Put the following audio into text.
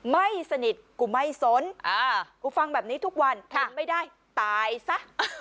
ไม่สนิทกูไม่สนกูฟังแบบนี้ทุกวันทนไม่ได้ตายซะ